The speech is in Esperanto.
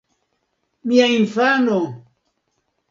Mia infano!